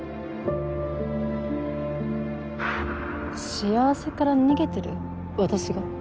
幸せから逃げてる？